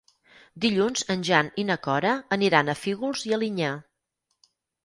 Dilluns en Jan i na Cora aniran a Fígols i Alinyà.